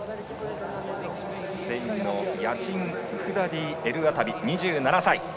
スペインのウフダディエルアタビ、２７歳。